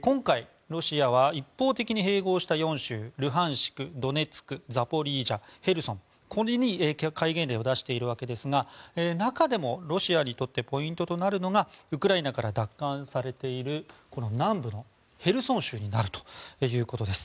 今回、ロシアは一方的に併合した４州ルハンシク、ドネツクザポリージャ、ヘルソンこれに戒厳令を出しているわけですが中でもロシアにとってポイントとなるのがウクライナから奪還されている南部のヘルソン州になるということです。